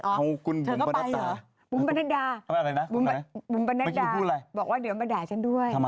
เอ้าคุณบุมบรรณดาเพราะว่าเดี๋ยวมาด่าฉันด้วย